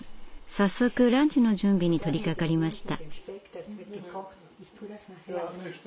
早速ランチの準備に取りかかりました。